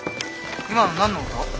今の何の音？